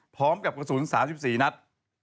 พร้อมกับกระสุน๓๔นัด